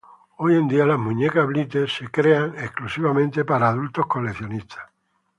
Hoy en día las muñecas Blythe son creadas únicamente para adultos coleccionistas.